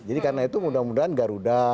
jadi karena itu mudah mudahan garuda